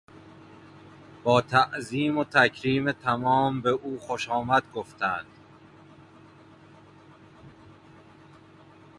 با تعظیم و تکریم تمام به او خوشامد گفتند.